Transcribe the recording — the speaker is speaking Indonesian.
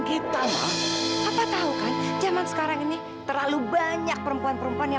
kita bisa berhidup dengan dia